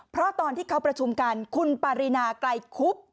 เพราะตอนที่เขาประชุมกันคุณปารีนาไกลคุบ